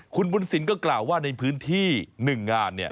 คุณบุญสินก็กล่าวว่าในพื้นที่๑งาน